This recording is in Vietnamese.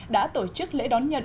đã tổ chức lễ đón nhận